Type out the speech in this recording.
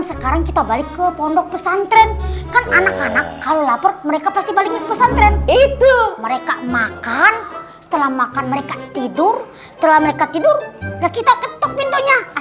sampai jumpa di video selanjutnya